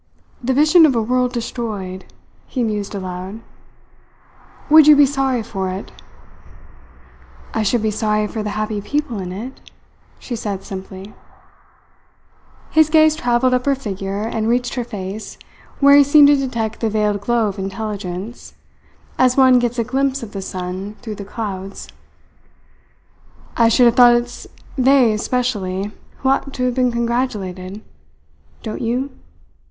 "The vision of a world destroyed," he mused aloud. "Would you be sorry for it?" "I should be sorry for the happy people in it," she said simply. His gaze travelled up her figure and reached her face, where he seemed to detect the veiled glow of intelligence, as one gets a glimpse of the sun through the clouds. "I should have thought it's they specially who ought to have been congratulated. Don't you?"